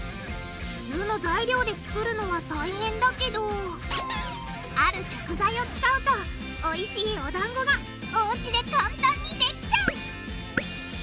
普通の材料で作るのは大変だけどある食材を使うとおいしいおだんごがおうちで簡単にできちゃう！